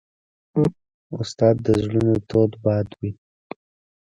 استاد د زړونو تود باد وي.